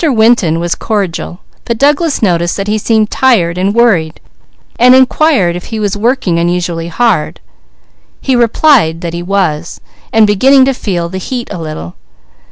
Winton was cordial, but Douglas noticed that he seemed tired and worried, and inquired if he were working unusually hard. He replied that he was, and beginning to feel the heat a little.